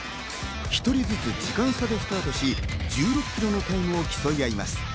１人ずつ時間差でスタートし、１６ｋｍのタイムを競い合います。